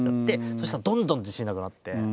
そしたらどんどん自信なくなって。